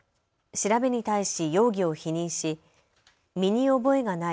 調べに対し容疑を否認し身に覚えがない。